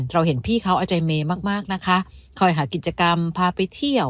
เราเห็นพี่เขาเอาใจเมย์มากมากนะคะคอยหากิจกรรมพาไปเที่ยว